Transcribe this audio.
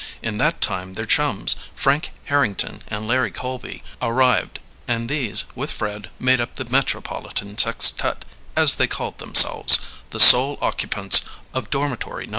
In that time their chums, Frank Harrington and Larry Colby, arrived, and these, with Fred, made up the "Metropolitan Sextet," as they called themselves the sole occupants of dormitory No.